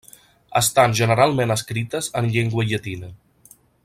Estan generalment escrites en llengua llatina.